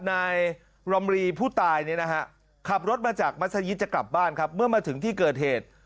นายรำรีผู้ตายเนี่ยนะฮะขับรถมาจากมัศยิตจะกลับบ้านครับเมื่อมาถึงที่เกิดเหตุ